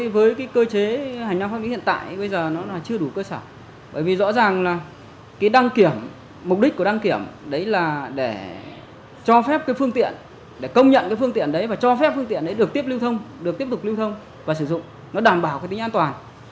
với cơ chế hành lang pháp lý hiện tại bây giờ nó chưa đủ cơ sở bởi vì rõ ràng là cái đăng kiểm mục đích của đăng kiểm đấy là để cho phép phương tiện để công nhận phương tiện đấy và cho phép phương tiện đấy được tiếp lưu thông được tiếp tục lưu thông và sử dụng nó đảm bảo tính an toàn